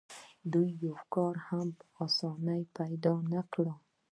دوی به یو کار هم په اسانۍ پیدا نه کړي